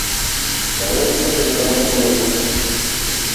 Та не е целта да загине некој!